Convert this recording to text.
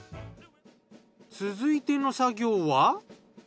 続いての作業は？